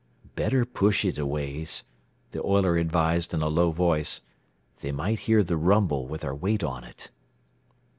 "Better push it a ways," the oiler advised in a low voice. "They might hear the rumble, with our weight on it."